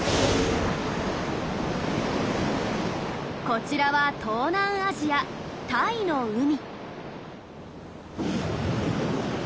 こちらは東南アジアタイの海。